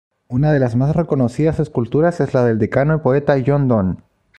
Una de las más reconocidas esculturas es la del decano y poeta, John Donne.